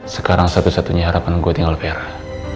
sekarang satu satunya harapan gue tinggal vera